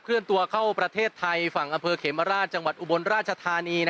เลื่อนตัวเข้าประเทศไทยฝั่งอำเภอเขมราชจังหวัดอุบลราชธานี